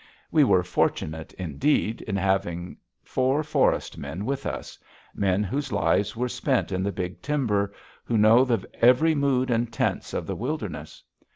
We were fortunate, indeed, in having four forest men with us, men whose lives are spent in the big timber, who know the every mood and tense of the wilderness.